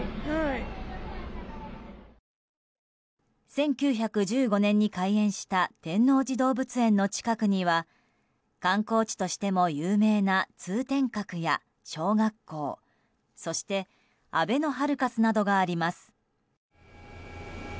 １９１５年に開園した天王寺動物園の近くには観光地としても有名な通天閣や小学校そしてあべのハルカスなどがあります。